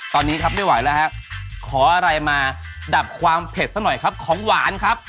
ตอนนี้ครับไม่ไหวแล้วครับขออะไรมาดับความเผ็ดซะหน่อยครับของหวานครับ